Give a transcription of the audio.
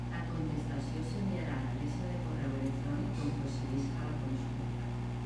La contestació s'enviarà a l'adreça de correu electrònic d'on procedisca la consulta.